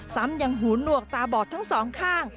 ซ้ำยังหูหนวกตาบอดทั้งสองข้าง